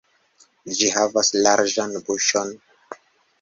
Ĝi havas larĝan buŝon.